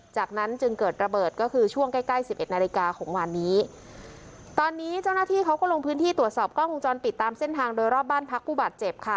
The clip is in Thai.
จากนั้นจึงเกิดระเบิดก็คือช่วงใกล้ใกล้สิบเอ็ดนาฬิกาของวันนี้ตอนนี้เจ้าหน้าที่เขาก็ลงพื้นที่ตรวจสอบกล้องวงจรปิดตามเส้นทางโดยรอบบ้านพักผู้บาดเจ็บค่ะ